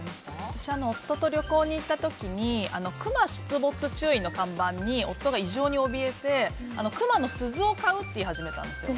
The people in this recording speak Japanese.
私、夫と旅行に行った時にクマ出没注意の看板に夫が異常におびえてクマの鈴を買うって言い始めたんですよ。